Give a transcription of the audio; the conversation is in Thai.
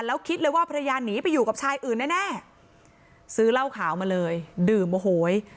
แล้วคิดเลยว่าภรรยาหนีไปอยู่กับชายอื่นแน่ซื้อเหล้าขาวมาเลยดื่มโอ้โห